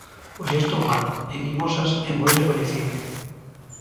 O xesto humano en 'Mimosas' é moi recoñecible.